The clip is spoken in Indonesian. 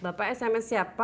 bapak sms siapa